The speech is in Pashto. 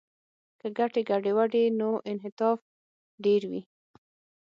که ګټې ګډې وي نو انعطاف ډیر وي